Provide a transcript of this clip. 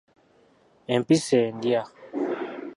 Empisi endya.